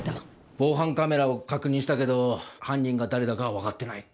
防犯カメラを確認したけど犯人が誰だかはわかってない。